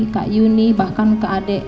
kak yuni bahkan ke adik